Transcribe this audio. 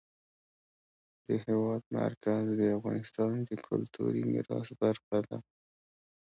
د هېواد مرکز د افغانستان د کلتوري میراث برخه ده.